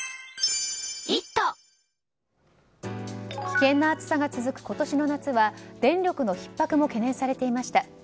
危険な暑さが続く今年の夏は電力のひっ迫も懸念されていました。